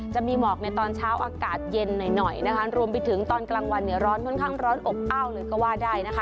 จะมีหมอกในตอนเช้าอากาศเย็นหน่อยนะคะรวมไปถึงตอนกลางวันเนี่ยร้อนค่อนข้างร้อนอบอ้าวเลยก็ว่าได้นะคะ